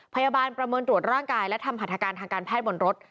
ประเมินตรวจร่างกายและทำหัตถการทางการแพทย์บนรถ